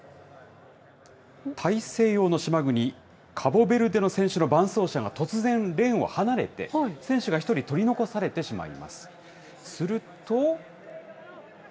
大西洋の島国、カボベルデの選手の伴走者が突然、レーンを離れて、選手が一人、取り残されてしまいます。